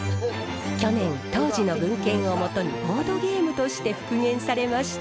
去年当時の文献を基にボードゲームとして復元されました。